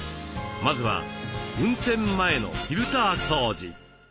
まずは運転前のフィルター掃除。